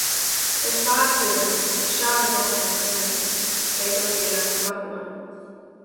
Pēc pāris dienām, pēc šāda dokumenta saņemšanas, beidzot pienāca vagoni.